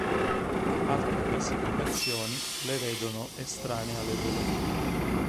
Altre classificazioni le vedono estranee alle Dolomiti.